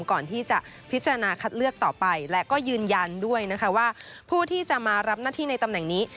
ก่อนที่จะพิจารณาคัดเลือกต่อไปและก็ยืนยันด้วยนะคะว่าผู้ที่จะมารับหน้าที่ในตำแหน่งนี้